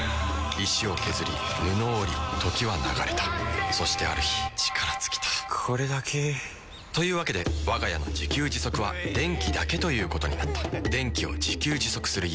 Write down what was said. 石を削り布を織り時は流れたそしてある日力尽きたこれだけ。というわけでわが家の自給自足は電気だけということになった電気を自給自足する家。